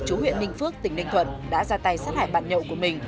chú huyện ninh phước tỉnh ninh thuận đã ra tay sát hại bạn nhậu của mình